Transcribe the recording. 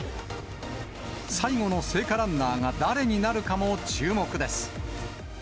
最後の聖火ランナーが誰になるかも注目です。